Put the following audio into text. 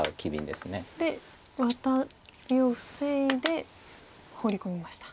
でワタリを防いでホウリ込みました。